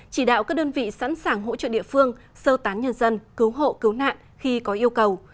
chỉ đạo các đơn vị sẵn sàng hỗ trợ địa phương sơ tán nhân dân cứu hộ cứu nạn khi có yêu cầu